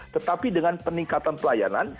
tetapi dengan peningkatan pelayanan